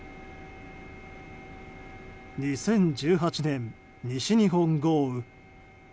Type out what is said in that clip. ２０１８年、西日本豪雨。